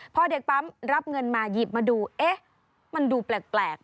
พอเด็กปั๊มรับเงินมาหยิบมาดูเอ๊ะมันดูแปลก